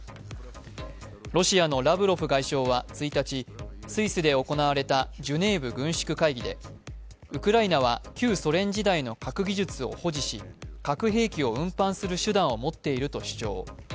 ロシアのラブロフ外相は１日スイスで行われたジュネーブ軍縮会議でウクライナは旧ソ連時代の核技術を保持し核兵器を運搬する手段を持っていると主張。